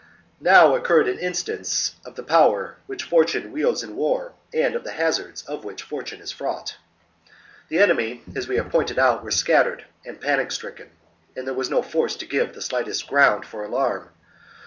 Now occurred an instance of the power which Fortune wields in war and of the hazards with which Fortune is fraught. The AMBIORIX 197 enemy, as we have pointed out, were scattered 53 b.c. and panic stricken, and there was no force to give the sHghtest ground for alarm.